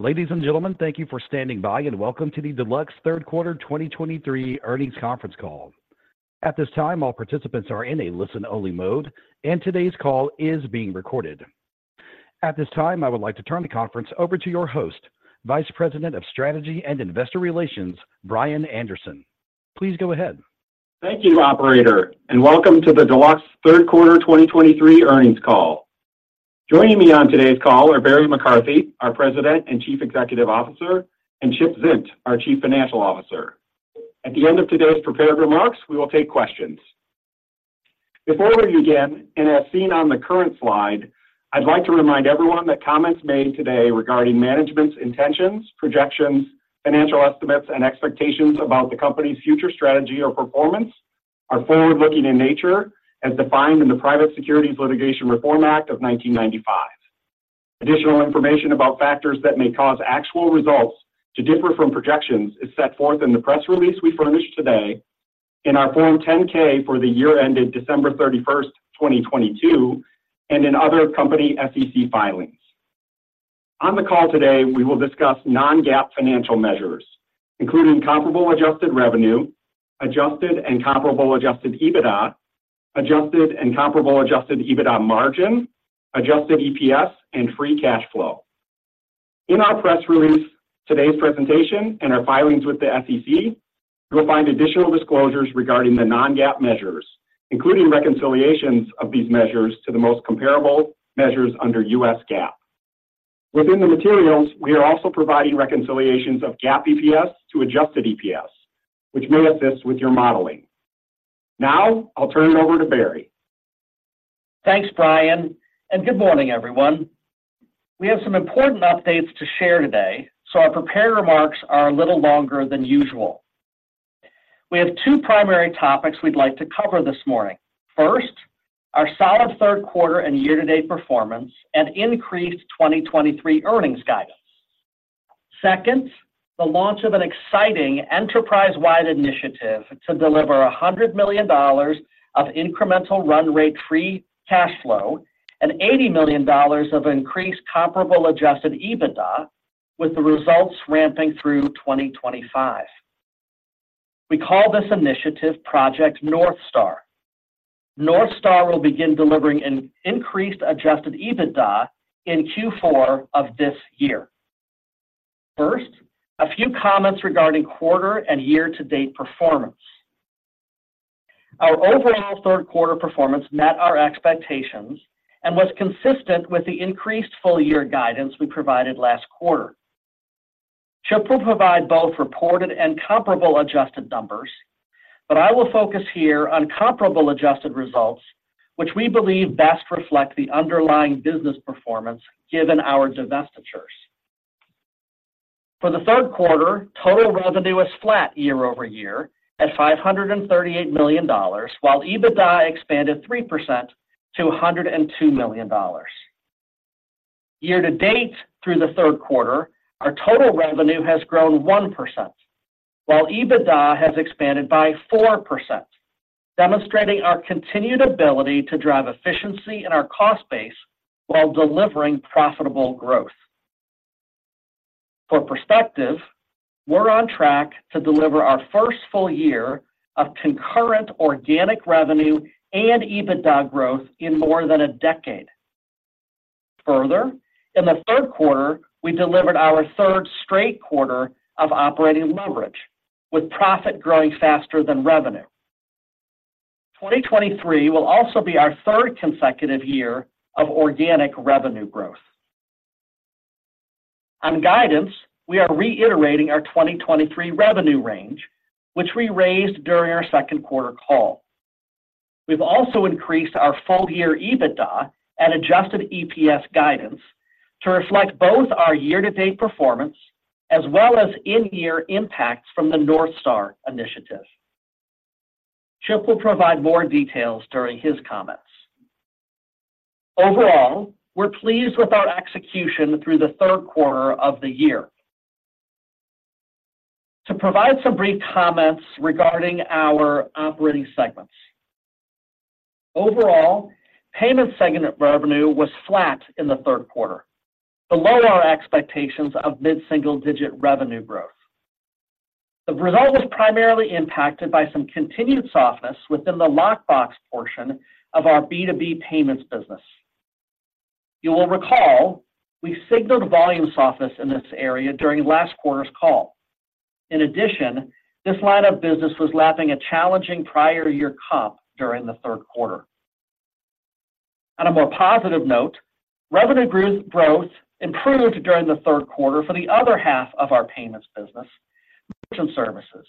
Ladies and gentlemen, thank you for standing by, and welcome to the Deluxe Third Quarter 2023 Earnings Conference Call. At this time, all participants are in a listen-only mode, and today's call is being recorded. At this time, I would like to turn the conference over to your host, Vice President of Strategy and Investor Relations, Brian Anderson. Please go ahead. Thank you, operator, and welcome to the Deluxe Third Quarter 2023 earnings call. Joining me on today's call are Barry McCarthy, our President and Chief Executive Officer, and Chip Zint, our Chief Financial Officer. At the end of today's prepared remarks, we will take questions. Before we begin, and as seen on the current slide, I'd like to remind everyone that comments made today regarding management's intentions, projections, financial estimates, and expectations about the Company's future strategy or performance are forward-looking in nature, as defined in the Private Securities Litigation Reform Act of 1995. Additional information about factors that may cause actual results to differ from projections is set forth in the press release we furnished today, in our Form 10-K for the year ended December 31, 2022, and in other company SEC filings. On the call today, we will discuss non-GAAP financial measures, including Comparable Adjusted Revenue, Adjusted and Comparable Adjusted EBITDA, Adjusted and Comparable Adjusted EBITDA Margin, Adjusted EPS, and Free Cash Flow. In our press release, today's presentation and our filings with the SEC, you'll find additional disclosures regarding the non-GAAP measures, including reconciliations of these measures to the most comparable measures under US GAAP. Within the materials, we are also providing reconciliations of GAAP EPS to Adjusted EPS, which may assist with your modeling. Now I'll turn it over to Barry. Thanks, Brian, and good morning, everyone. We have some important updates to share today, so our prepared remarks are a little longer than usual. We have two primary topics we'd like to cover this morning. First, our solid third quarter and year-to-date performance and increased 2023 earnings guidance. Second, the launch of an exciting enterprise-wide initiative to deliver $100 million of incremental run rate free cash flow and $80 million of increased Comparable Adjusted EBITDA, with the results ramping through 2025. We call this initiative Project North Star. North Star will begin delivering an increased Adjusted EBITDA in Q4 of this year. First, a few comments regarding quarter and year-to-date performance. Our overall third quarter performance met our expectations and was consistent with the increased full-year guidance we provided last quarter. Chip will provide both reported and comparable adjusted numbers, but I will focus here on comparable adjusted results, which we believe best reflect the underlying business performance, given our divestitures. For the third quarter, total revenue was flat year-over-year at $538 million, while EBITDA expanded 3% to $102 million. Year to date through the third quarter, our total revenue has grown 1%, while EBITDA has expanded by 4%, demonstrating our continued ability to drive efficiency in our cost base while delivering profitable growth. For perspective, we're on track to deliver our first full year of concurrent organic revenue and EBITDA growth in more than a decade. Further, in the third quarter, we delivered our third straight quarter of operating leverage, with profit growing faster than revenue. 2023 will also be our third consecutive year of organic revenue growth. On guidance, we are reiterating our 2023 revenue range, which we raised during our second quarter call. We've also increased our full-year EBITDA and adjusted EPS guidance to reflect both our year-to-date performance as well as in-year impacts from the North Star initiative. Chip will provide more details during his comments. Overall, we're pleased with our execution through the third quarter of the year. To provide some brief comments regarding our operating segments. Overall, payments segment revenue was flat in the third quarter, below our expectations of mid-single-digit revenue growth. The result was primarily impacted by some continued softness within the lockbox portion of our B2B payments business. You will recall we signaled volume softness in this area during last quarter's call. In addition, this line of business was lapping a challenging prior year comp during the third quarter. On a more positive note, revenue growth improved during the third quarter for the other half of our payments business services,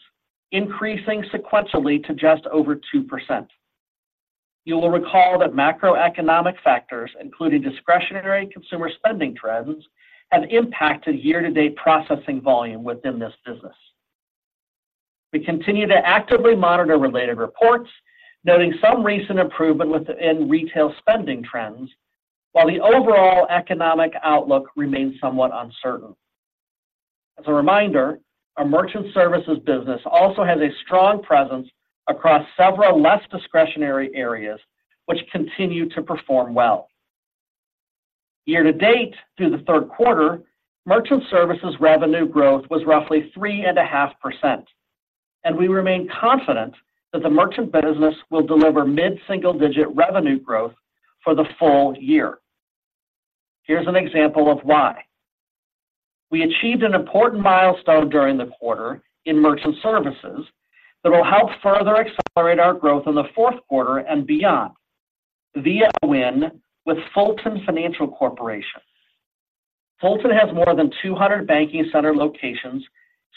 increasing sequentially to just over 2%. You will recall that macroeconomic factors, including discretionary consumer spending trends, have impacted year-to-date processing volume within this business. We continue to actively monitor related reports, noting some recent improvement within retail spending trends, while the overall economic outlook remains somewhat uncertain. As a reminder, our Merchant Services business also has a strong presence across several less discretionary areas, which continue to perform well. Year to date, through the third quarter, Merchant Services revenue growth was roughly 3.5%, and we remain confident that the merchant business will deliver mid-single-digit revenue growth for the full year. Here's an example of why. We achieved an important milestone during the quarter in Merchant Services that will help further accelerate our growth in the fourth quarter and beyond. Via win with Fulton Financial Corporation. Fulton has more than 200 banking center locations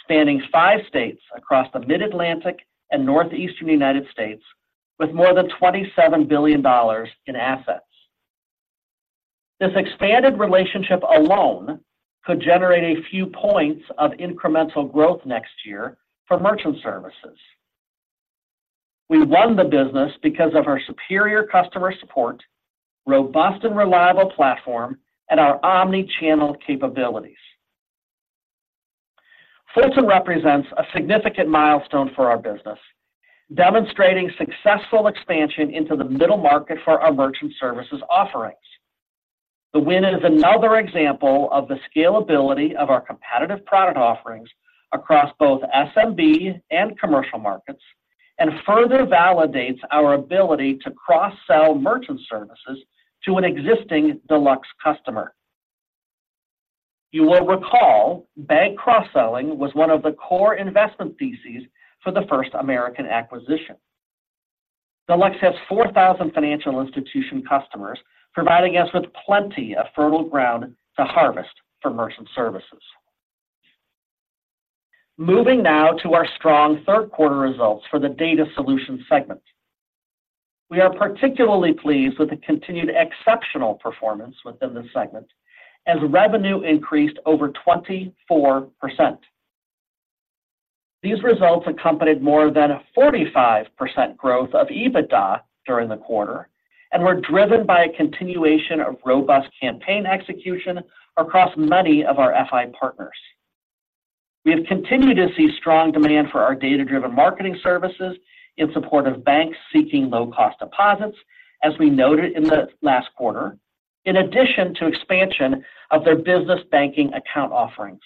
spanning 5 states across the Mid-Atlantic and Northeastern United States, with more than $27 billion in assets. This expanded relationship alone could generate a few points of incremental growth next year for Merchant Services. We won the business because of our superior customer support, robust and reliable platform, and our omni-channel capabilities. Fulton represents a significant milestone for our business, demonstrating successful expansion into the middle market for our Merchant Services offerings. The win is another example of the scalability of our competitive product offerings across both SMB and commercial markets, and further validates our ability to cross-sell Merchant Services to an existing Deluxe customer. You will recall, bank cross-selling was one of the core investment theses for the First American acquisition. Deluxe has 4,000 financial institution customers, providing us with plenty of fertile ground to harvest for Merchant Services. Moving now to our strong third quarter results for the Data Solutions segment. We are particularly pleased with the continued exceptional performance within this segment as revenue increased over 24%. These results accompanied more than a 45% growth of EBITDA during the quarter and were driven by a continuation of robust campaign execution across many of our FI partners. We have continued to see strong demand for our data-driven marketing services in support of banks seeking low-cost deposits, as we noted in the last quarter, in addition to expansion of their business banking account offerings.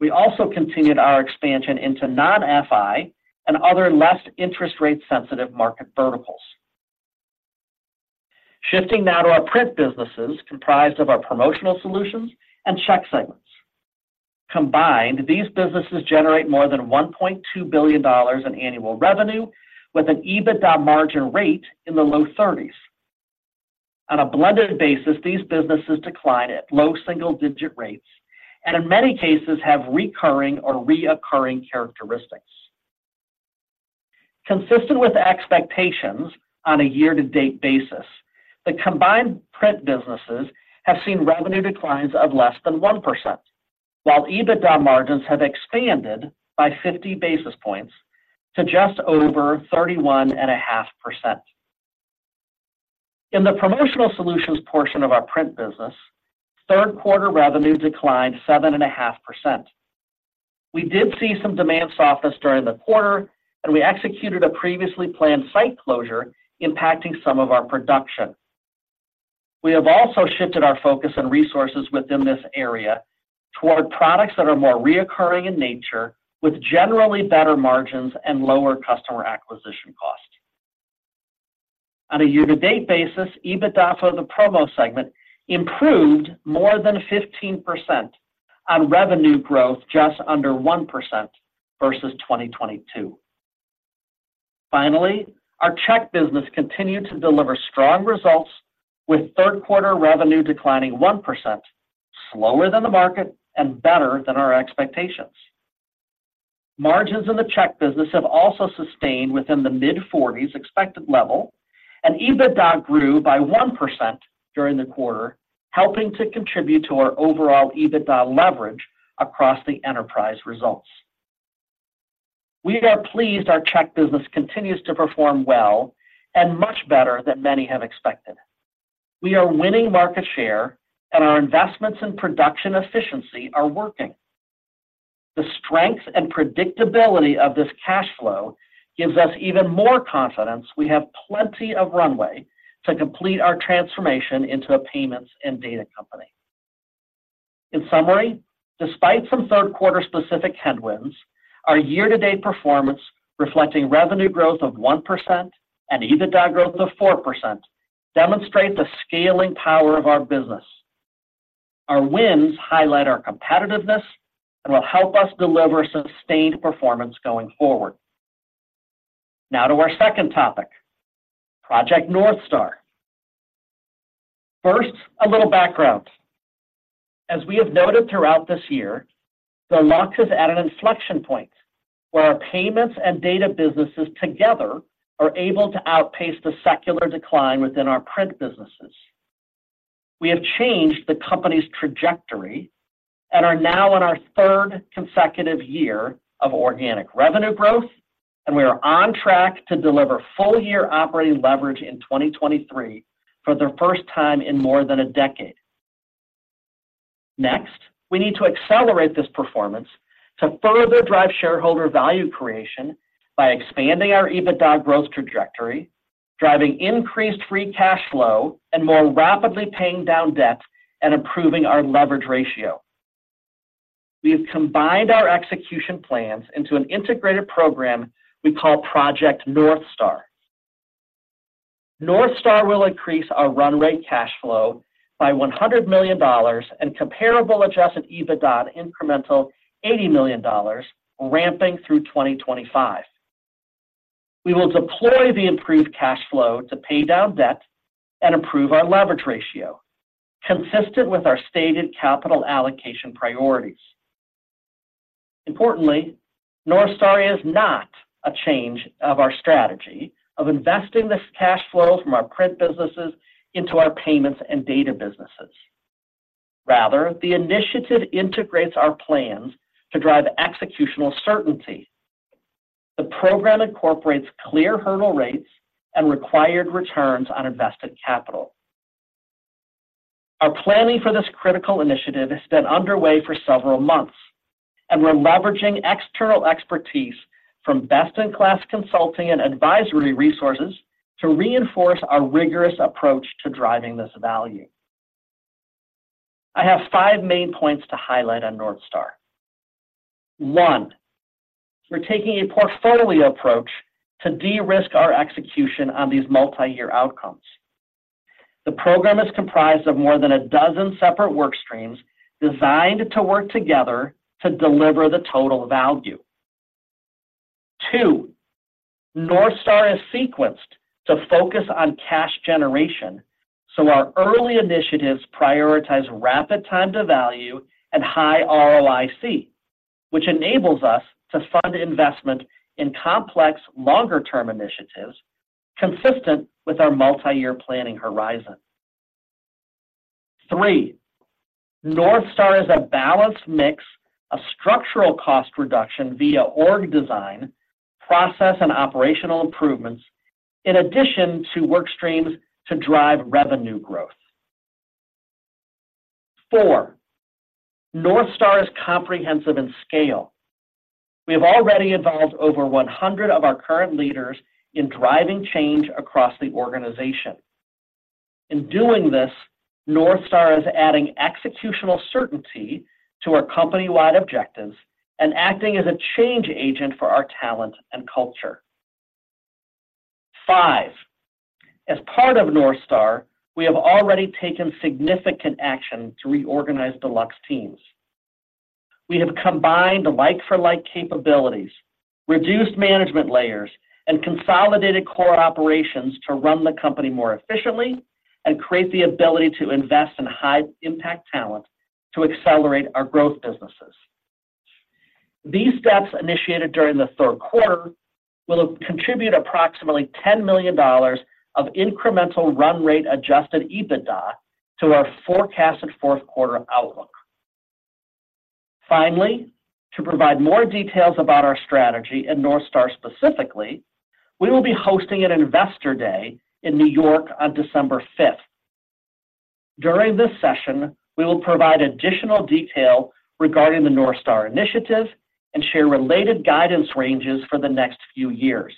We also continued our expansion into non-FI and other less interest rate-sensitive market verticals. Shifting now to our print businesses, comprised of our promotional solutions and check segments. Combined, these businesses generate more than $1.2 billion in annual revenue, with an EBITDA margin rate in the low 30s. On a blended basis, these businesses declined at low single-digit rates, and in many cases have recurring or reoccurring characteristics. Consistent with expectations on a year-to-date basis, the combined print businesses have seen revenue declines of less than 1%, while EBITDA margins have expanded by 50 basis points to just over 31.5%. In the promotional solutions portion of our print business, third quarter revenue declined 7.5%. We did see some demand softness during the quarter, and we executed a previously planned site closure, impacting some of our production. We have also shifted our focus and resources within this area toward products that are more recurring in nature, with generally better margins and lower customer acquisition costs. On a year-to-date basis, EBITDA for the promo segment improved more than 15% on revenue growth just under 1% versus 2022. Finally, our check business continued to deliver strong results, with third quarter revenue declining 1%, slower than the market and better than our expectations. Margins in the check business have also sustained within the mid-40s expected level, and EBITDA grew by 1% during the quarter, helping to contribute to our overall EBITDA leverage across the enterprise results. We are pleased our check business continues to perform well and much better than many have expected. We are winning market share and our investments in production efficiency are working. The strength and predictability of this cash flow gives us even more confidence we have plenty of runway to complete our transformation into a payments and data company. In summary, despite some third-quarter specific headwinds, our year-to-date performance, reflecting revenue growth of 1% and EBITDA growth of 4%, demonstrate the scaling power of our business. Our wins highlight our competitiveness and will help us deliver sustained performance going forward. Now to our second topic, Project North Star. First, a little background. As we have noted throughout this year, Deluxe is at an inflection point where our payments and data businesses together are able to outpace the secular decline within our print businesses. We have changed the company's trajectory and are now in our third consecutive year of organic revenue growth-... We are on track to deliver full-year operating leverage in 2023 for the first time in more than a decade. Next, we need to accelerate this performance to further drive shareholder value creation by expanding our EBITDA growth trajectory, driving increased free cash flow, and more rapidly paying down debt and improving our leverage ratio. We have combined our execution plans into an integrated program we call Project North Star. North Star will increase our run rate cash flow by $100 million and comparable adjusted EBITDA incremental $80 million, ramping through 2025. We will deploy the improved cash flow to pay down debt and improve our leverage ratio, consistent with our stated capital allocation priorities. Importantly, North Star is not a change of our strategy of investing this cash flow from our print businesses into our payments and data businesses. Rather, the initiative integrates our plans to drive executional certainty. The program incorporates clear hurdle rates and required returns on invested capital. Our planning for this critical initiative has been underway for several months, and we're leveraging external expertise from best-in-class consulting and advisory resources to reinforce our rigorous approach to driving this value. I have five main points to highlight on North Star. One, we're taking a portfolio approach to de-risk our execution on these multi-year outcomes. The program is comprised of more than a dozen separate work streams designed to work together to deliver the total value. Two, North Star is sequenced to focus on cash generation, so our early initiatives prioritize rapid time to value and high ROIC, which enables us to fund investment in complex, longer-term initiatives consistent with our multi-year planning horizon. Three, North Star is a balanced mix of structural cost reduction via org design, process and operational improvements, in addition to work streams to drive revenue growth. Four, North Star is comprehensive in scale. We have already involved over 100 of our current leaders in driving change across the organization. In doing this, North Star is adding executional certainty to our company-wide objectives and acting as a change agent for our talent and culture. Five, as part of North Star, we have already taken significant action to reorganize Deluxe teams. We have combined like-for-like capabilities, reduced management layers, and consolidated core operations to run the company more efficiently and create the ability to invest in high-impact talent to accelerate our growth businesses. These steps, initiated during the third quarter, will contribute approximately $10 million of incremental run rate Adjusted EBITDA to our forecasted fourth quarter outlook. Finally, to provide more details about our strategy and North Star specifically, we will be hosting an Investor Day in New York on December fifth. During this session, we will provide additional detail regarding the North Star initiative and share related guidance ranges for the next few years.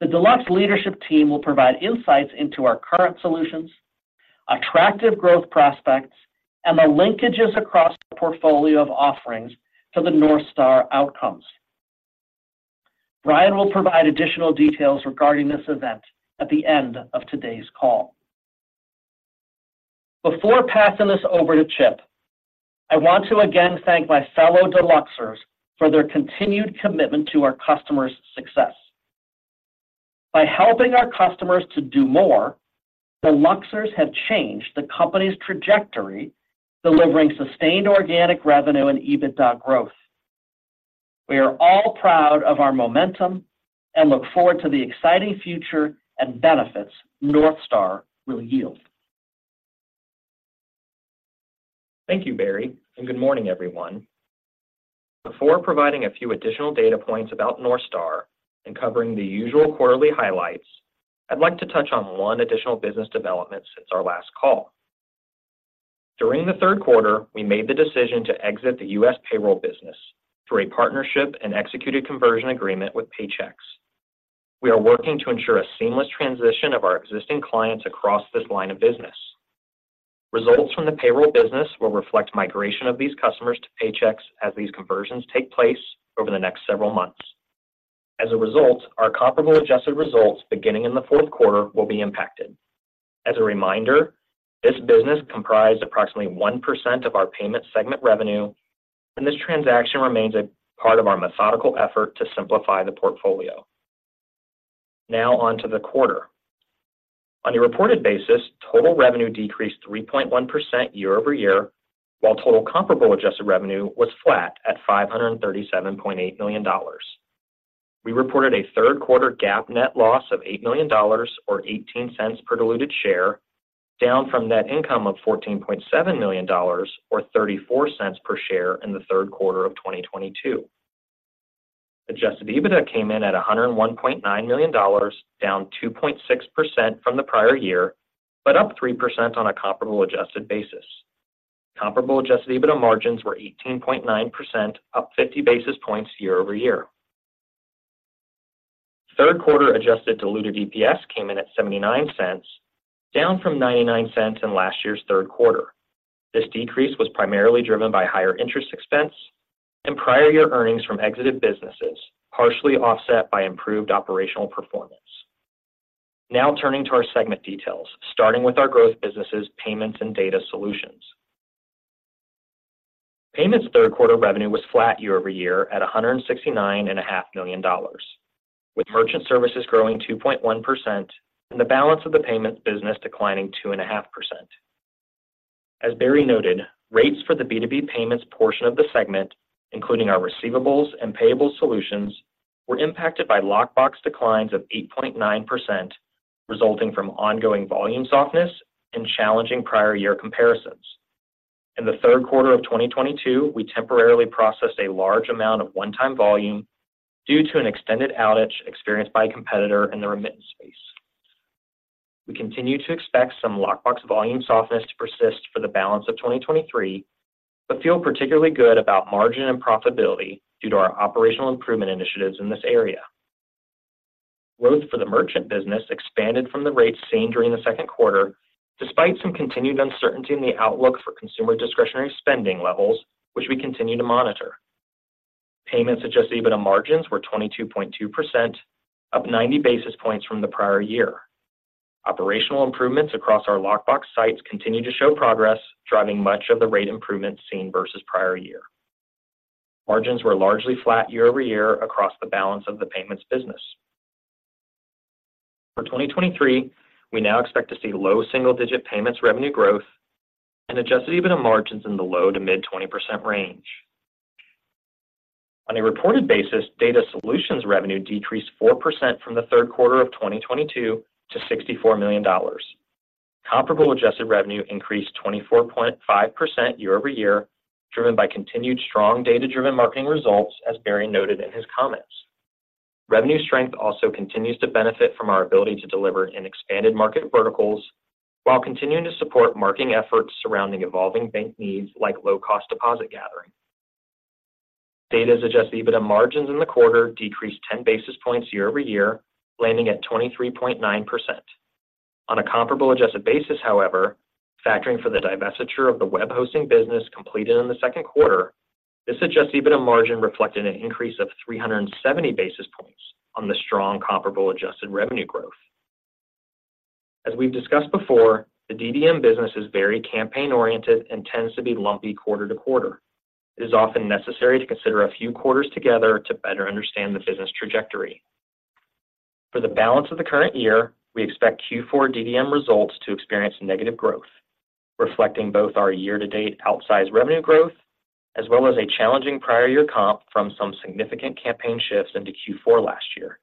The Deluxe leadership team will provide insights into our current solutions, attractive growth prospects, and the linkages across the portfolio of offerings to the North Star outcomes. Brian will provide additional details regarding this event at the end of today's call. Before passing this over to Chip, I want to again thank my fellow Deluxers for their continued commitment to our customers' success. By helping our customers to do more, Deluxers have changed the company's trajectory, delivering sustained organic revenue and EBITDA growth. We are all proud of our momentum and look forward to the exciting future and benefits North Star will yield. Thank you, Barry, and good morning, everyone. Before providing a few additional data points about North Star and covering the usual quarterly highlights, I'd like to touch on one additional business development since our last call. During the third quarter, we made the decision to exit the U.S. payroll business through a partnership and executed conversion agreement with Paychex. We are working to ensure a seamless transition of our existing clients across this line of business. Results from the payroll business will reflect migration of these customers to Paychex as these conversions take place over the next several months. As a result, our comparable adjusted results beginning in the fourth quarter will be impacted. As a reminder, this business comprised approximately 1% of our payment segment revenue, and this transaction remains a part of our methodical effort to simplify the portfolio. Now on to the quarter. On a reported basis, total revenue decreased 3.1% year-over-year, while total comparable adjusted revenue was flat at $537.8 million. We reported a third quarter GAAP net loss of $8 million or 18 cents per diluted share. Down from net income of $14.7 million or 34 cents per share in the third quarter of 2022. Adjusted EBITDA came in at $101.9 million, down 2.6% from the prior year, but up 3% on a comparable adjusted basis. Comparable adjusted EBITDA margins were 18.9%, up 50 basis points year-over-year. Third quarter adjusted diluted EPS came in at 79 cents, down from 99 cents in last year's third quarter. This decrease was primarily driven by higher interest expense and prior year earnings from exited businesses, partially offset by improved operational performance. Now turning to our segment details, starting with our growth businesses, payments and data solutions. Payments third quarter revenue was flat year over year at $169.5 million, with merchant services growing 2.1% and the balance of the payments business declining 2.5%. As Barry noted, rates for the B2B payments portion of the segment, including our receivables and payables solutions, were impacted by lockbox declines of 8.9%, resulting from ongoing volume softness and challenging prior year comparisons. In the third quarter of 2022, we temporarily processed a large amount of one-time volume due to an extended outage experienced by a competitor in the remittance space. We continue to expect some lockbox volume softness to persist for the balance of 2023, but feel particularly good about margin and profitability due to our operational improvement initiatives in this area. Growth for the merchant business expanded from the rates seen during the second quarter, despite some continued uncertainty in the outlook for consumer discretionary spending levels, which we continue to monitor. Payments adjusted EBITDA margins were 22.2%, up 90 basis points from the prior year. Operational improvements across our lockbox sites continue to show progress, driving much of the rate improvements seen versus prior year. Margins were largely flat year-over-year across the balance of the payments business. For 2023, we now expect to see low single-digit payments revenue growth and adjusted EBITDA margins in the low- to mid-20% range. On a reported basis, Data Solutions revenue decreased 4% from the third quarter of 2022 to $64 million. Comparable Adjusted Revenue increased 24.5% year-over-year, driven by continued strong data-driven marketing results, as Barry noted in his comments. Revenue strength also continues to benefit from our ability to deliver in expanded market verticals while continuing to support marketing efforts surrounding evolving bank needs like low-cost deposit gathering. Data's Adjusted EBITDA margins in the quarter decreased 10 basis points year-over-year, landing at 23.9%. On a Comparable Adjusted basis, however, factoring for the divestiture of the web hosting business completed in the second quarter, this Adjusted EBITDA margin reflected an increase of 370 basis points on the strong Comparable Adjusted Revenue growth. As we've discussed before, the DDM business is very campaign-oriented and tends to be lumpy quarter to quarter. It is often necessary to consider a few quarters together to better understand the business trajectory. For the balance of the current year, we expect Q4 DDM results to experience negative growth, reflecting both our year-to-date outsized revenue growth as well as a challenging prior year comp from some significant campaign shifts into Q4 last year.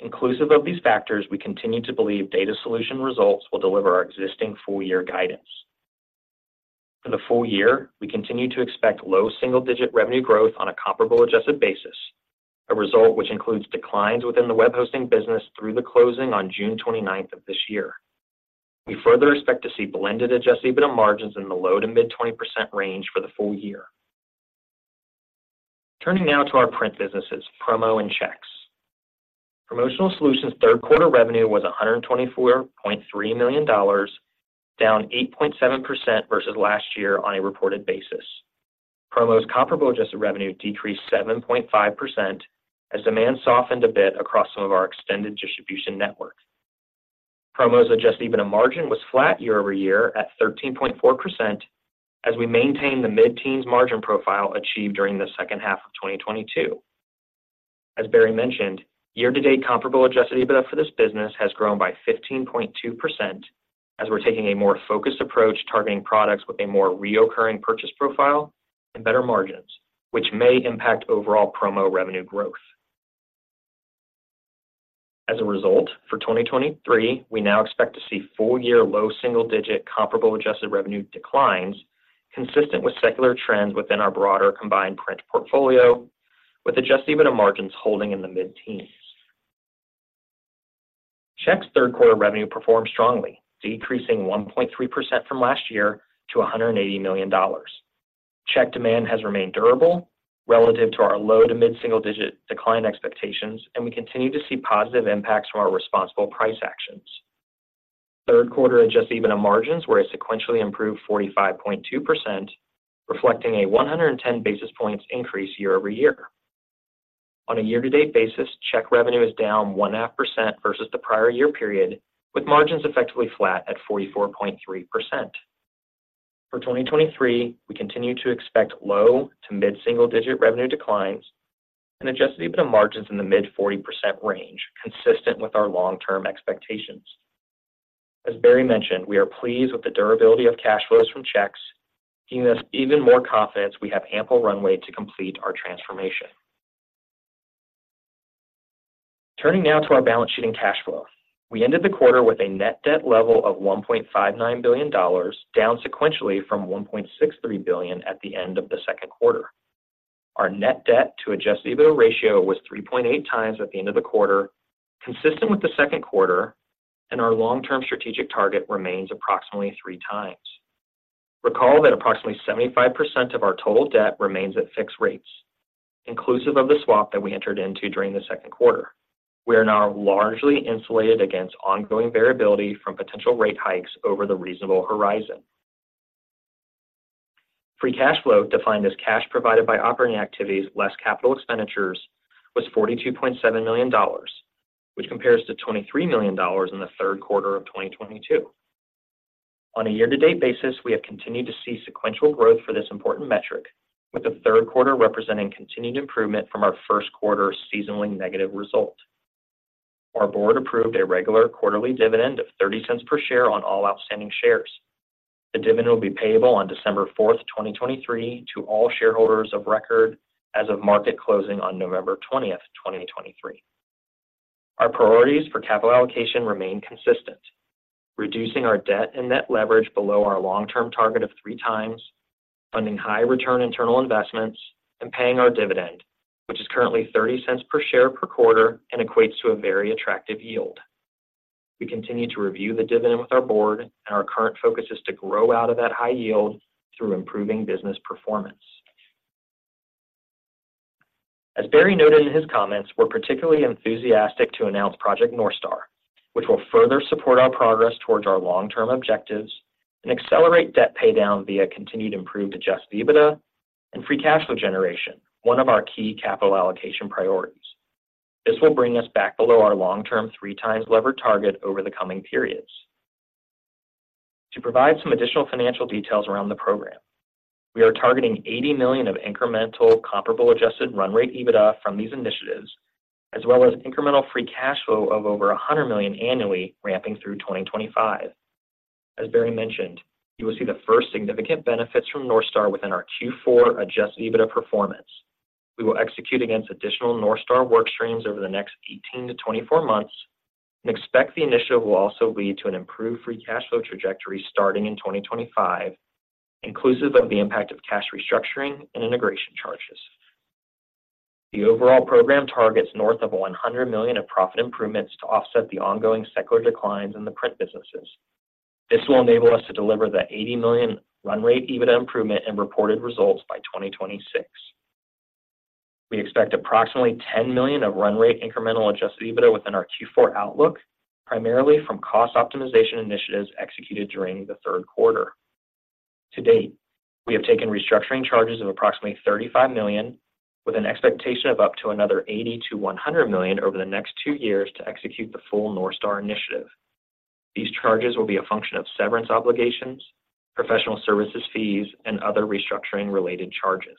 Inclusive of these factors, we continue to believe Data Solutions results will deliver our existing full year guidance. For the full year, we continue to expect low single-digit revenue growth on a comparable adjusted basis, a result which includes declines within the web hosting business through the closing on June 29th of this year. We further expect to see blended Adjusted EBITDA margins in the low- to mid-20% range for the full year. Turning now to our print businesses, promo and checks. Promotional Solutions' third quarter revenue was $124.3 million, down 8.7% versus last year on a reported basis. Promo's comparable adjusted revenue decreased 7.5% as demand softened a bit across some of our extended distribution networks. Promo's Adjusted EBITDA margin was flat year-over-year at 13.4% as we maintain the mid-teens margin profile achieved during the second half of 2022. As Barry mentioned, year-to-date comparable adjusted EBITDA for this business has grown by 15.2% as we're taking a more focused approach, targeting products with a more recurring purchase profile and better margins, which may impact overall promo revenue growth. As a result, for 2023, we now expect to see full-year low-single-digit comparable adjusted revenue declines, consistent with secular trends within our broader combined print portfolio, with adjusted EBITDA margins holding in the mid-teens. Checks third quarter revenue performed strongly, decreasing 1.3% from last year to $180 million. Check demand has remained durable relative to our low- to mid-single-digit decline expectations, and we continue to see positive impacts from our responsible price actions. Third quarter adjusted EBITDA margins were sequentially improved 45.2%, reflecting a 110 basis points increase year-over-year. On a year-to-date basis, check revenue is down 0.5% versus the prior year period, with margins effectively flat at 44.3%. For 2023, we continue to expect low- to mid-single-digit revenue declines and Adjusted EBITDA margins in the mid-40% range, consistent with our long-term expectations. As Barry mentioned, we are pleased with the durability of cash flows from checks, giving us even more confidence we have ample runway to complete our transformation. Turning now to our balance sheet and cash flow. We ended the quarter with a net debt level of $1.59 billion, down sequentially from $1.63 billion at the end of the second quarter. Our net debt to Adjusted EBITDA ratio was 3.8 times at the end of the quarter, consistent with the second quarter, and our long-term strategic target remains approximately 3 times. Recall that approximately 75% of our total debt remains at fixed rates, inclusive of the swap that we entered into during the second quarter. We are now largely insulated against ongoing variability from potential rate hikes over the reasonable horizon. Free cash flow, defined as cash provided by operating activities less capital expenditures, was $42.7 million, which compares to $23 million in the third quarter of 2022. On a year-to-date basis, we have continued to see sequential growth for this important metric, with the third quarter representing continued improvement from our first quarter seasonally negative result. Our board approved a regular quarterly dividend of $0.30 per share on all outstanding shares. The dividend will be payable on December 4, 2023, to all shareholders of record as of market closing on November 20, 2023. Our priorities for capital allocation remain consistent: reducing our debt and net leverage below our long-term target of three times, funding high return internal investments, and paying our dividend, which is currently $0.30 per share per quarter and equates to a very attractive yield. We continue to review the dividend with our board, and our current focus is to grow out of that high yield through improving business performance. As Barry noted in his comments, we're particularly enthusiastic to announce Project North Star, which will further support our progress towards our long-term objectives and accelerate debt paydown via continued improved Adjusted EBITDA and Free Cash Flow generation, one of our key capital allocation priorities. This will bring us back below our long-term three times leverage target over the coming periods. To provide some additional financial details around the program, we are targeting $80 million of incremental comparable adjusted run rate EBITDA from these initiatives, as well as incremental free cash flow of over $100 million annually, ramping through 2025. As Barry mentioned, you will see the first significant benefits from North Star within our Q4 adjusted EBITDA performance. We will execute against additional North Star work streams over the next 18-24 months and expect the initiative will also lead to an improved free cash flow trajectory starting in 2025, inclusive of the impact of cash restructuring and integration charges. The overall program targets north of $100 million of profit improvements to offset the ongoing secular declines in the print businesses. This will enable us to deliver the $80 million run rate EBITDA improvement in reported results by 2026. We expect approximately $10 million of run rate incremental adjusted EBITDA within our Q4 outlook, primarily from cost optimization initiatives executed during the third quarter. To date, we have taken restructuring charges of approximately $35 million, with an expectation of up to another $80 million-$100 million over the next two years to execute the full North Star initiative. These charges will be a function of severance obligations, professional services fees, and other restructuring related charges.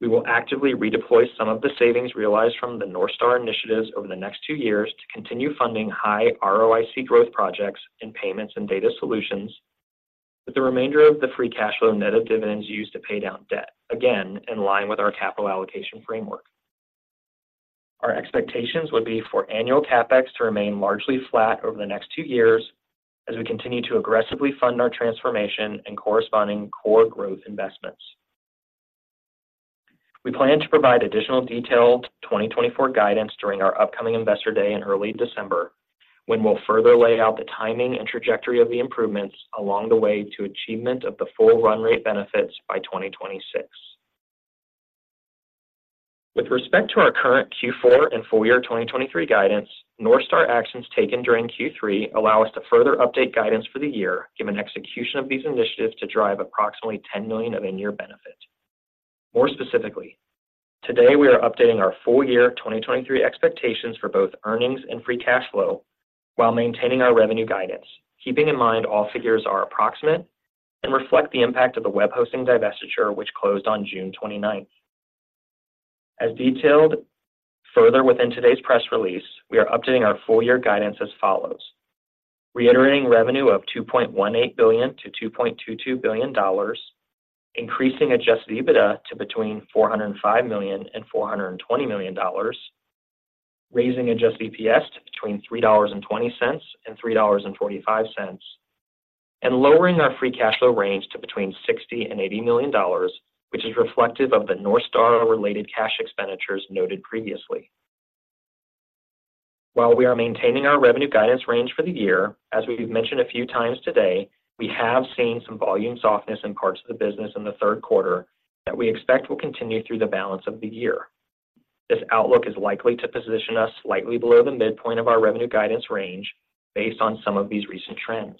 We will actively redeploy some of the savings realized from the North Star initiatives over the next two years to continue funding high ROIC growth projects in payments and data solutions, with the remainder of the free cash flow net of dividends used to pay down debt, again, in line with our capital allocation framework. Our expectations would be for annual CapEx to remain largely flat over the next two years as we continue to aggressively fund our transformation and corresponding core growth investments. We plan to provide additional detailed 2024 guidance during our upcoming Investor Day in early December, when we'll further lay out the timing and trajectory of the improvements along the way to achievement of the full run rate benefits by 2026. With respect to our current Q4 and full year 2023 guidance, North Star actions taken during Q3 allow us to further update guidance for the year, given execution of these initiatives to drive approximately $10 million of in-year benefit. More specifically, today we are updating our full year 2023 expectations for both earnings and free cash flow while maintaining our revenue guidance. Keeping in mind, all figures are approximate and reflect the impact of the web hosting divestiture, which closed on June 29. As detailed further within today's press release, we are updating our full year guidance as follows: reiterating revenue of $2.18 billion-$2.22 billion, increasing Adjusted EBITDA to between $405 million and $420 million, raising Adjusted EPS to between $3.20 and $3.45, and lowering our free cash flow range to between $60 million and $80 million, which is reflective of the North Star-related cash expenditures noted previously. While we are maintaining our revenue guidance range for the year, as we've mentioned a few times today, we have seen some volume softness in parts of the business in the third quarter that we expect will continue through the balance of the year. This outlook is likely to position us slightly below the midpoint of our revenue guidance range based on some of these recent trends.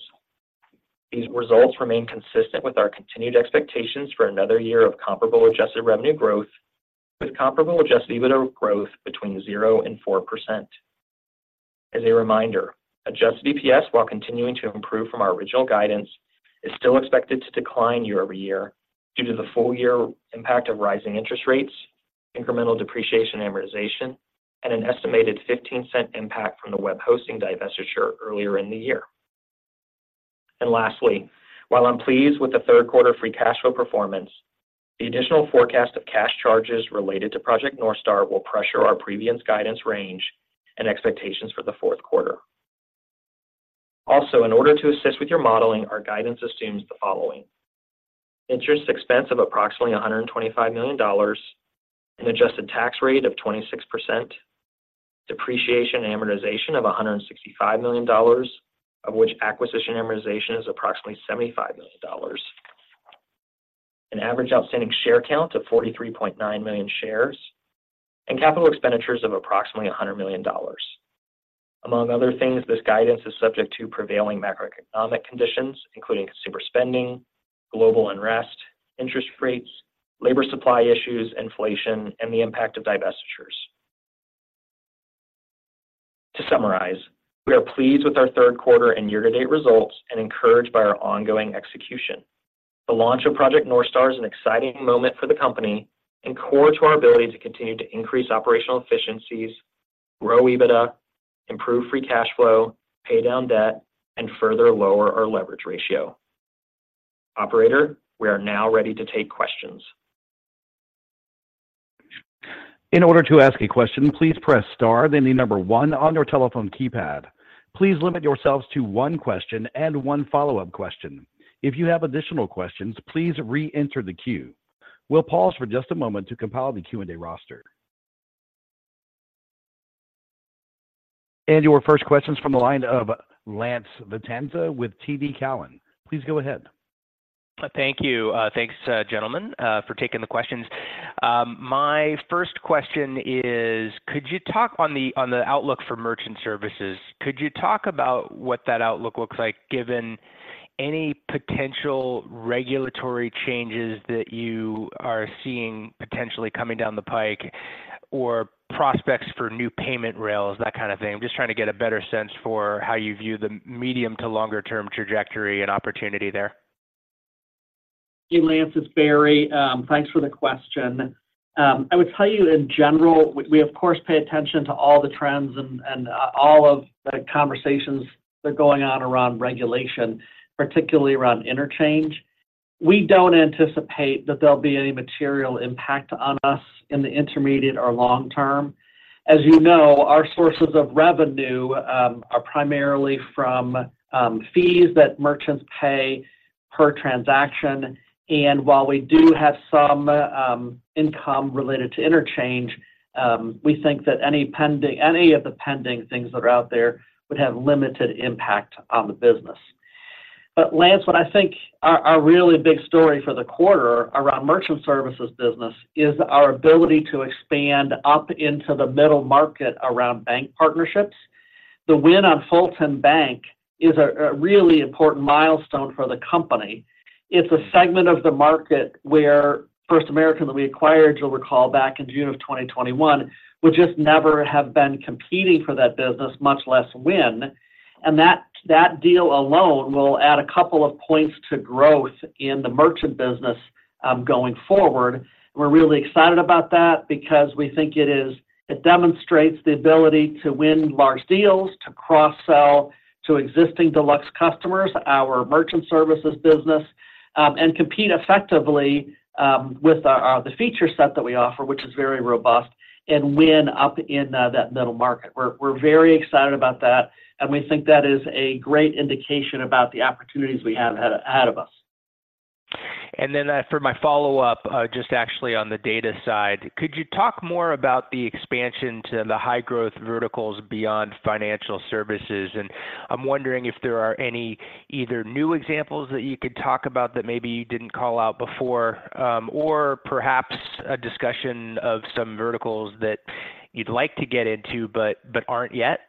These results remain consistent with our continued expectations for another year of Comparable Adjusted Revenue growth, with Comparable Adjusted EBITDA growth between 0% and 4%. As a reminder, Adjusted EPS, while continuing to improve from our original guidance, is still expected to decline year-over-year due to the full year impact of rising interest rates, incremental depreciation amortization, and an estimated $0.15 impact from the web hosting divestiture earlier in the year.... Lastly, while I'm pleased with the third quarter free cash flow performance, the additional forecast of cash charges related to Project North Star will pressure our previous guidance range and expectations for the fourth quarter. Also, in order to assist with your modeling, our guidance assumes the following: interest expense of approximately $125 million, an adjusted tax rate of 26%, depreciation and amortization of $165 million, of which acquisition amortization is approximately $75 million, an average outstanding share count of 43.9 million shares, and capital expenditures of approximately $100 million. Among other things, this guidance is subject to prevailing macroeconomic conditions, including consumer spending, global unrest, interest rates, labor supply issues, inflation, and the impact of divestitures. To summarize, we are pleased with our third quarter and year-to-date results and encouraged by our ongoing execution. The launch of Project North Star is an exciting moment for the company and core to our ability to continue to increase operational efficiencies, grow EBITDA, improve free cash flow, pay down debt, and further lower our leverage ratio. Operator, we are now ready to take questions. In order to ask a question, please press Star, then the number 1 on your telephone keypad. Please limit yourselves to one question and one follow-up question. If you have additional questions, please reenter the queue. We'll pause for just a moment to compile the Q&A roster. Your first question's from the line of Lance Vitanza with TD Cowen. Please go ahead. Thank you. Thanks, gentlemen, for taking the questions. My first question is, could you talk on the outlook for Merchant Services? Could you talk about what that outlook looks like, given any potential regulatory changes that you are seeing potentially coming down the pike or prospects for new payment rails, that kind of thing? I'm just trying to get a better sense for how you view the medium to longer term trajectory and opportunity there. Hey, Lance, it's Barry. Thanks for the question. I would tell you in general, we of course pay attention to all the trends and all of the conversations that are going on around regulation, particularly around interchange. We don't anticipate that there'll be any material impact on us in the intermediate or long term. As you know, our sources of revenue are primarily from fees that merchants pay per transaction, and while we do have some income related to interchange, we think that any of the pending things that are out there would have limited impact on the business. But Lance, what I think our really big story for the quarter around Merchant Services business is our ability to expand up into the middle market around bank partnerships. The win on Fulton Bank is a really important milestone for the company. It's a segment of the market where First American, that we acquired, you'll recall, back in June of 2021, would just never have been competing for that business, much less win. And that deal alone will add a couple of points to growth in the merchant business, going forward. We're really excited about that because we think it is, it demonstrates the ability to win large deals, to cross-sell to existing Deluxe customers, our merchant services business, and compete effectively, with our the feature set that we offer, which is very robust, and win up in that middle market. We're very excited about that, and we think that is a great indication about the opportunities we have ahead of us. And then, for my follow-up, just actually on the data side, could you talk more about the expansion to the high-growth verticals beyond financial services? And I'm wondering if there are any, either new examples that you could talk about that maybe you didn't call out before, or perhaps a discussion of some verticals that you'd like to get into but aren't yet.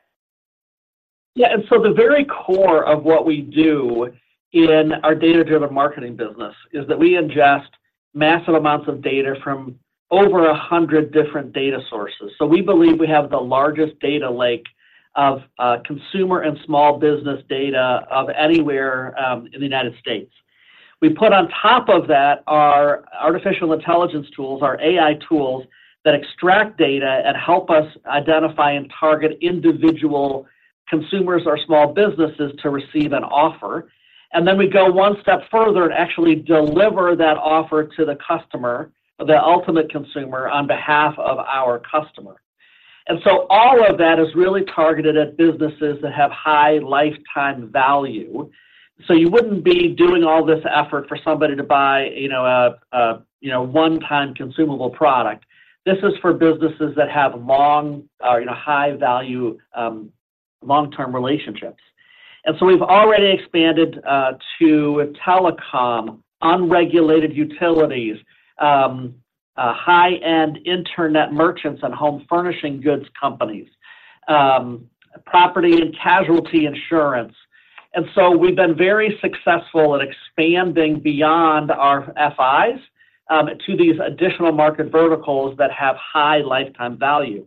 Yeah, and so the very core of what we do in our data-driven marketing business is that we ingest massive amounts of data from over 100 different data sources. So we believe we have the largest data lake of consumer and small business data of anywhere in the United States. We put on top of that our artificial intelligence tools, our AI tools, that extract data and help us identify and target individual consumers or small businesses to receive an offer. And then we go one step further and actually deliver that offer to the customer, the ultimate consumer, on behalf of our customer. And so all of that is really targeted at businesses that have high lifetime value. So you wouldn't be doing all this effort for somebody to buy, you know, a one-time consumable product. This is for businesses that have long or, you know, high-value, long-term relationships. And so we've already expanded to telecom, unregulated utilities, high-end internet merchants and home furnishing goods companies, property and casualty insurance. And so we've been very successful at expanding beyond our FIs to these additional market verticals that have high lifetime value.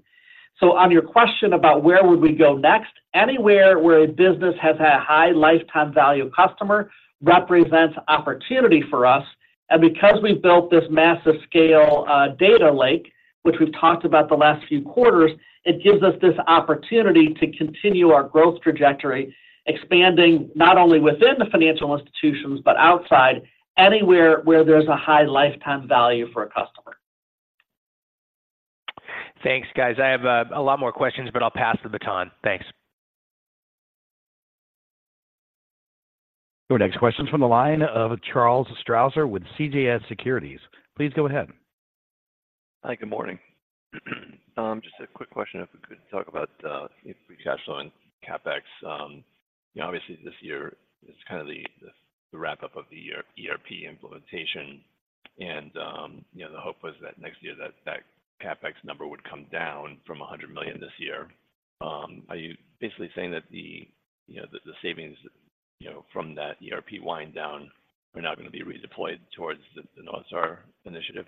So on your question about where would we go next, anywhere where a business has a high lifetime value customer represents opportunity for us. And because we've built this massive scale data lake, which we've talked about the last few quarters, it gives us this opportunity to continue our growth trajectory, expanding not only within the financial institutions, but outside anywhere where there's a high lifetime value for a customer. Thanks, guys. I have a lot more questions, but I'll pass the baton. Thanks. Your next question is from the line of Charles Strauzer with CJS Securities. Please go ahead. Hi, good morning. Just a quick question, if we could talk about free cash flow and CapEx. You know, obviously, this year is kind of the wrap-up of the year ERP implementation. And you know, the hope was that next year that CapEx number would come down from $100 million this year. Are you basically saying that the savings from that ERP wind down are now going to be redeployed towards the North Star initiative?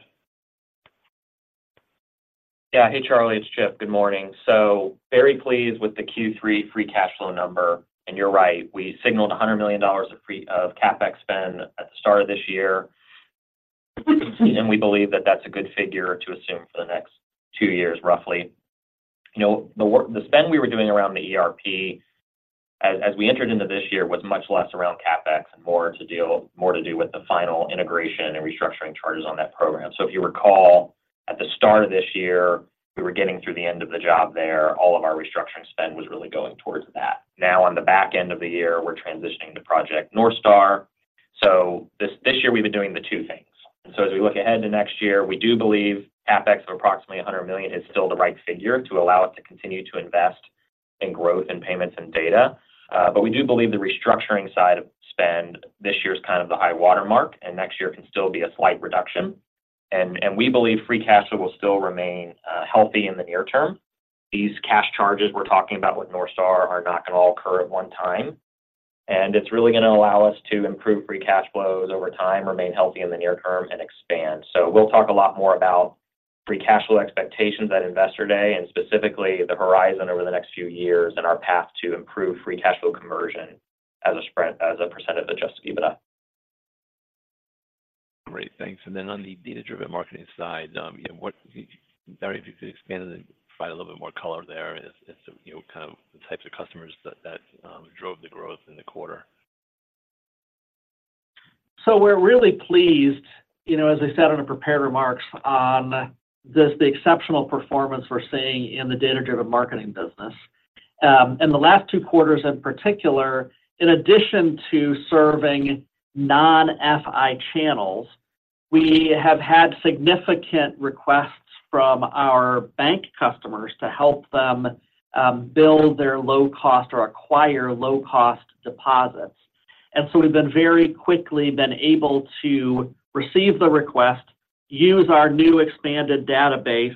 Yeah. Hey, Charlie, it's Chip. Good morning. So very pleased with the Q3 free cash flow number. And you're right, we signaled $100 million of CapEx spend at the start of this year. And we believe that that's a good figure to assume for the next two years, roughly. You know, the spend we were doing around the ERP as we entered into this year, was much less around CapEx and more to do with the final integration and restructuring charges on that program. So if you recall, at the start of this year, we were getting through the end of the job there. All of our restructuring spend was really going towards that. Now, on the back end of the year, we're transitioning to Project North Star. So this year we've been doing the two things. And so as we look ahead to next year, we do believe CapEx of approximately $100 million is still the right figure to allow us to continue to invest in growth and payments and data. But we do believe the restructuring side of spend this year is kind of the high watermark, and next year can still be a slight reduction. And we believe free cash flow will still remain healthy in the near term. These cash charges we're talking about with North Star are not going to all occur at one time, and it's really going to allow us to improve free cash flows over time, remain healthy in the near term, and expand. We'll talk a lot more about free cash flow expectations at Investor Day and specifically the horizon over the next few years and our path to improve free cash flow conversion as a percent of Adjusted EBITDA. Great, thanks. Then on the data-driven marketing side, you know, Barry, if you could expand and provide a little bit more color there, you know, kind of the types of customers that drove the growth in the quarter. So we're really pleased, you know, as I said, on the prepared remarks on this the exceptional performance we're seeing in the data-driven marketing business. In the last two quarters, in particular, in addition to serving non-FI channels, we have had significant requests from our bank customers to help them build their low cost or acquire low-cost deposits. And so we've been very quickly able to receive the request, use our new expanded database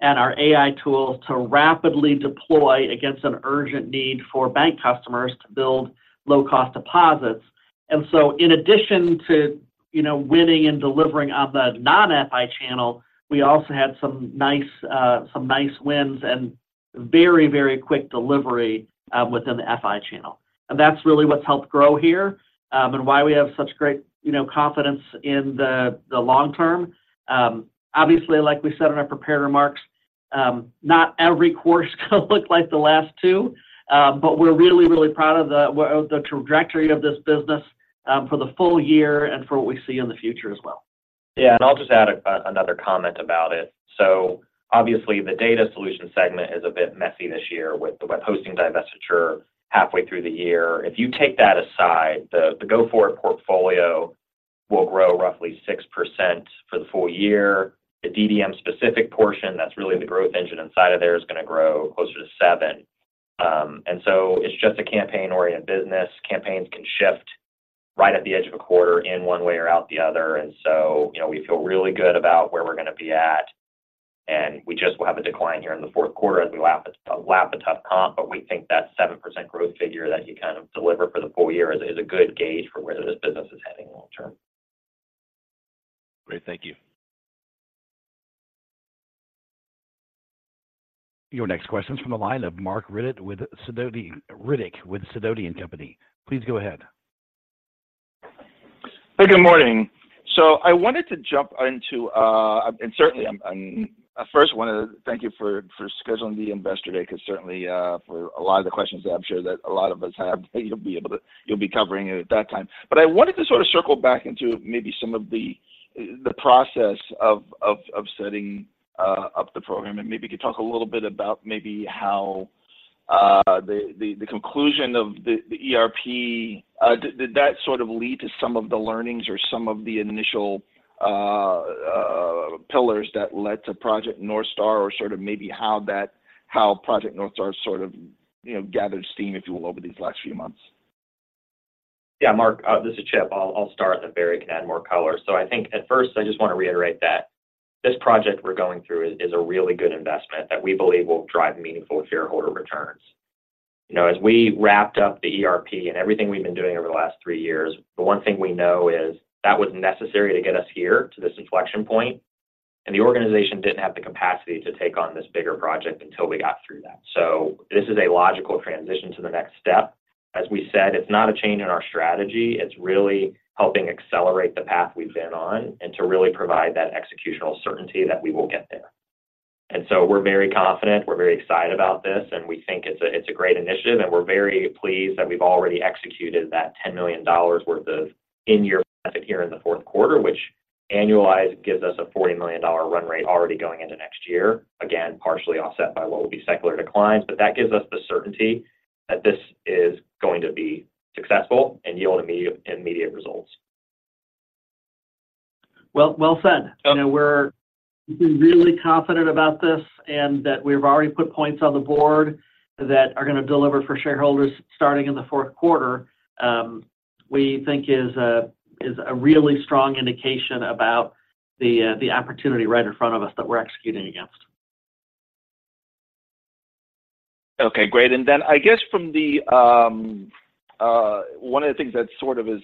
and our AI tools to rapidly deploy against an urgent need for bank customers to build low-cost deposits. And so in addition to, you know, winning and delivering on the non-FI channel, we also had some nice some nice wins and very, very quick delivery within the FI channel. That's really what's helped grow here, and why we have such great, you know, confidence in the long term. Obviously, like we said in our prepared remarks, not every quarter is going to look like the last two. But we're really, really proud of, well, the trajectory of this business, for the full year and for what we see in the future as well. Yeah, and I'll just add another comment about it. So obviously the Data Solutions segment is a bit messy this year with the web hosting divestiture halfway through the year. If you take that aside, the go-forward portfolio will grow roughly 6% for the full year. The DDM-specific portion, that's really the growth engine inside of there, is going to grow closer to 7%. And so it's just a campaign-oriented business. Campaigns can shift right at the edge of a quarter in one way or out the other. And so, you know, we feel really good about where we're going to be at, and we just will have a decline here in the fourth quarter as we lap a tough comp. But we think that 7% growth figure that you kind of deliver for the full year is a good gauge for where this business is heading long term. Great. Thank you. Your next question is from the line of Mark Riddick with Sidoti & Company. Please go ahead. Hey, good morning. So I wanted to jump into and certainly, I first want to thank you for scheduling the Investor Day, because certainly, for a lot of the questions I'm sure that a lot of us have, you'll be able to—you'll be covering it at that time. But I wanted to sort of circle back into maybe some of the process of setting up the program. And maybe you could talk a little bit about maybe how the conclusion of the ERP did that sort of lead to some of the learnings or some of the initial pillars that led to Project North Star, or sort of maybe how that—how Project North Star sort of, you know, gathered steam, if you will, over these last few months? Yeah, Mark, this is Chip. I'll start, and Barry can add more color. So I think at first, I just want to reiterate that this project we're going through is a really good investment that we believe will drive meaningful shareholder returns. You know, as we wrapped up the ERP and everything we've been doing over the last three years, the one thing we know is that was necessary to get us here to this inflection point.... And the organization didn't have the capacity to take on this bigger project until we got through that. So this is a logical transition to the next step. As we said, it's not a change in our strategy. It's really helping accelerate the path we've been on and to really provide that executional certainty that we will get there. And so we're very confident, we're very excited about this, and we think it's a, it's a great initiative, and we're very pleased that we've already executed that $10 million worth of in-year benefit here in the fourth quarter, which annualized, gives us a $40 million run rate already going into next year. Again, partially offset by what will be secular declines, but that gives us the certainty that this is going to be successful and yield immediate, immediate results. Well said. You know, we're really confident about this and that we've already put points on the board that are going to deliver for shareholders starting in the fourth quarter, we think is a really strong indication about the opportunity right in front of us that we're executing against. Okay, great. And then I guess from the one of the things that sort of has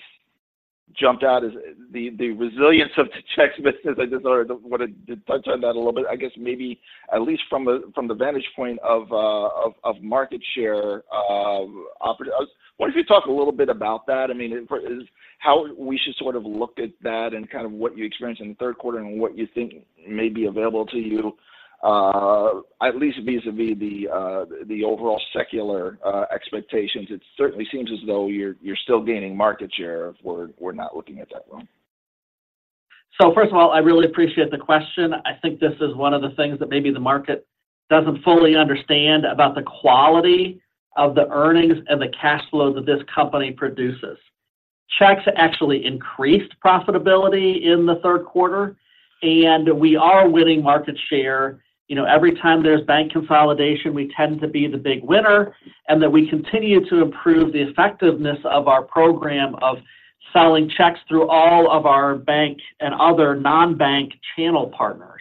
jumped out is the resilience of the checks business. I just wanted to touch on that a little bit. I guess maybe at least from the vantage point of market share, wonder if you talk a little bit about that, I mean, how we should sort of look at that and kind of what you experienced in the third quarter and what you think may be available to you, at least vis-à-vis the overall secular expectations. It certainly seems as though you're still gaining market share if we're not looking at that wrong. First of all, I really appreciate the question. I think this is one of the things that maybe the market doesn't fully understand about the quality of the earnings and the cash flow that this company produces. Checks actually increased profitability in the third quarter, and we are winning market share. You know, every time there's bank consolidation, we tend to be the big winner, and that we continue to improve the effectiveness of our program of selling checks through all of our bank and other non-bank channel partners.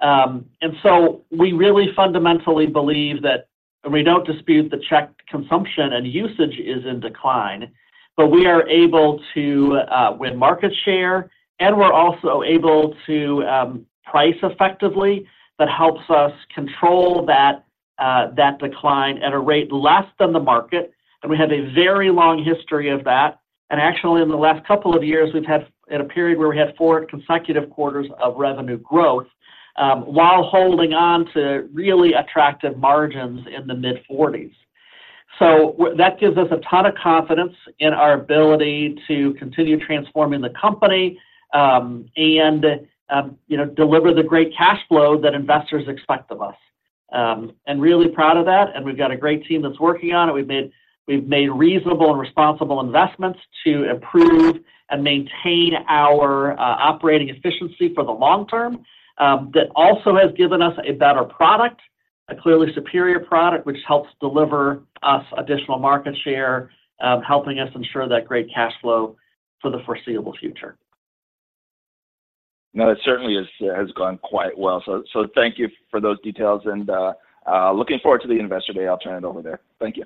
And so we really fundamentally believe that we don't dispute the check consumption and usage is in decline, but we are able to win market share, and we're also able to price effectively. That helps us control that decline at a rate less than the market. We have a very long history of that. And actually, in the last couple of years, we've had a period where we had four consecutive quarters of revenue growth, while holding on to really attractive margins in the mid-40s. So that gives us a ton of confidence in our ability to continue transforming the company, and, you know, deliver the great cash flow that investors expect of us. And really proud of that, and we've got a great team that's working on it. We've made, we've made reasonable and responsible investments to improve and maintain our operating efficiency for the long term. That also has given us a better product, a clearly superior product, which helps deliver us additional market share, helping us ensure that great cash flow for the foreseeable future. No, it certainly is, has gone quite well. So, so thank you for those details and, looking forward to the Investor Day. I'll turn it over there. Thank you.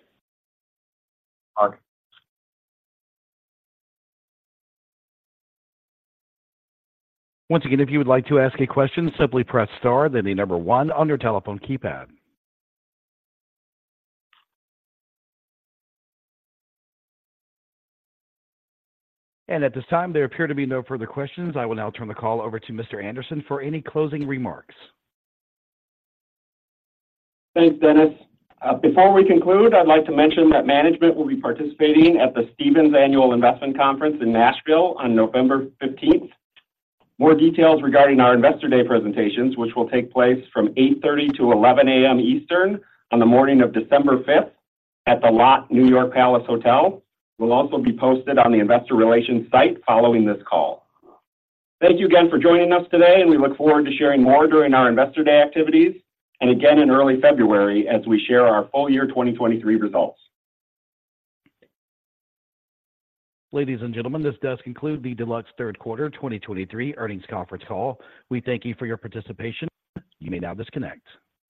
All right. Once again, if you would like to ask a question, simply press star, then the number one on your telephone keypad. At this time, there appear to be no further questions. I will now turn the call over to Mr. Anderson for any closing remarks. Thanks, Dennis. Before we conclude, I'd like to mention that management will be participating at the Stephens Annual Investment Conference in Nashville on November fifteenth. More details regarding our Investor Day presentations, which will take place from 8:30 to 11:00 A.M. Eastern on the morning of December fifth at the Lotte New York Palace Hotel, will also be posted on the investor relations site following this call. Thank you again for joining us today, and we look forward to sharing more during our Investor Day activities and again in early February as we share our full year 2023 results. Ladies and gentlemen, this does conclude the Deluxe third quarter 2023 earnings conference call. We thank you for your participation. You may now disconnect.